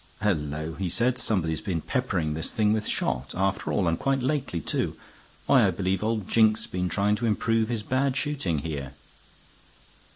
"Hullo!" he said. "Somebody has been peppering this thing with shot, after all, and quite lately, too. Why, I believe old Jink's been trying to improve his bad shooting here."